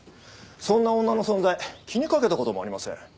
そんな女の存在気にかけた事もありません。